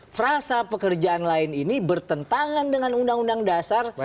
frasa pekerjaan lain ini bertentangan dengan undang undang dasar